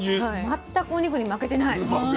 全くお肉に負けてない。